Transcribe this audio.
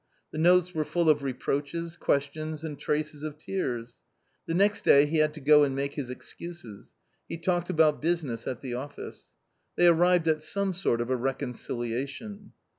The notes were full of reproaches, questions and traces of tears. The next day he had to go and make his excuses. He talked about business at the office. They arrived at some sort of a reconciliation.